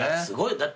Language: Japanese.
すごい。